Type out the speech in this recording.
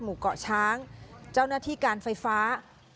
หมู่เกาะช้างเจ้าหน้าที่การไฟฟ้า